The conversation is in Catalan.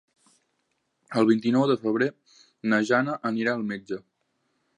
El vint-i-nou de febrer na Jana anirà al metge.